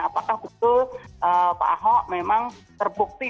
apakah betul pak ahok memang terbukti